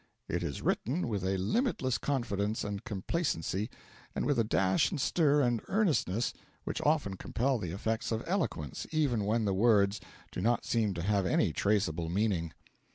It is written with a limitless confidence and complacency, and with a dash and stir and earnestness which often compel the effects of eloquence, even when the words do not seem to have any traceable meaning.